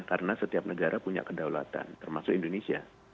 karena setiap negara punya kedaulatan termasuk indonesia